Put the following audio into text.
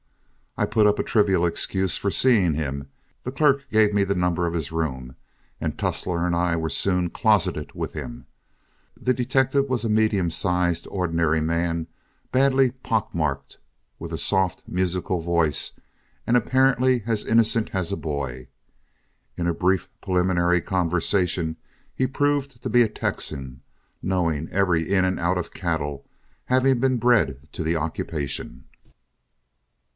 I put up a trivial excuse for seeing him, the clerk gave me the number of his room, and Tussler and I were soon closeted with him. The detective was a medium sized, ordinary man, badly pock marked, with a soft, musical voice, and apparently as innocent as a boy. In a brief preliminary conversation, he proved to be a Texan, knowing every in and out of cattle, having been bred to the occupation.